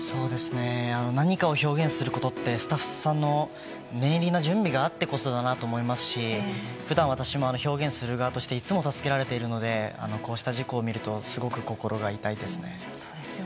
何かを表現することってスタッフさんの念入りな準備があってこそだなって思いますし普段、私も表現する側としていつも助けられているのでこうした事故を見るとすごく心が痛いですね。